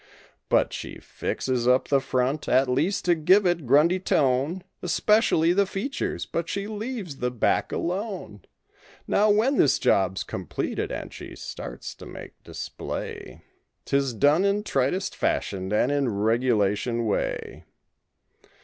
But she fixes up the front, at least, to give it Grundy tone, Especially the features, but she leaves the back alone. Now when this job's completed and she starts to make display, 'Tis done in tritest fashion and in regulation way.